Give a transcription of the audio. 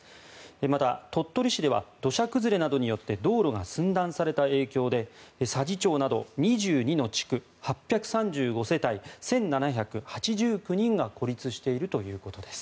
また、鳥取市では土砂崩れなどによって道路が寸断された影響で佐治町など２２の地区８３５世帯１７８９人が孤立しているということです。